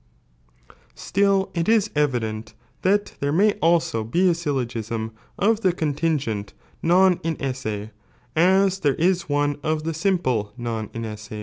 * Still it is evident, that there may abo be a syllogism of the contingent non inesse, as there i. AJBimaiiTB is one of the simple non inesse.